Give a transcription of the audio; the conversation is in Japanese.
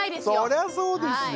そりゃそうですよ。